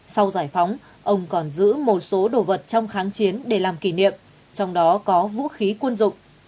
sau giải phóng ông còn giữ một số đồ vật trong kháng chiến để làm kỷ niệm trong đó có vũ khí quân dụng